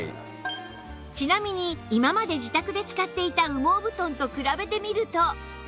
ちなみに今まで自宅で使っていた羽毛布団と比べてみると